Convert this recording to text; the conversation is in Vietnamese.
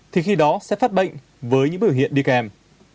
thì khi đó sẽ phát bệnh với những biểu hiện đi kèm